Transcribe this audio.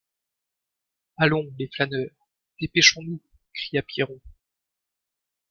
Allons, les flâneurs, dépêchons-nous! cria Pierron.